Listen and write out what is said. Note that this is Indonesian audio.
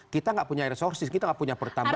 kita nggak punya resources kita nggak punya pertambangan